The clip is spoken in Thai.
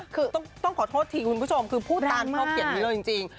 คือต้องขอโทษทีคุณผู้ชมคือพูดตามข้อเขียนนี้เลยจริง